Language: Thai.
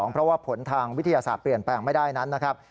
เพราะว่าผลทางวิทยาศาสตร์เปลี่ยนแปลงไม่ได้นั้นนะครับ